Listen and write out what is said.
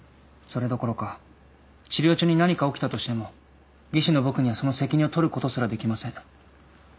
それどころか治療中に何か起きたとしても技師の僕にはその責任を取ることすらできません。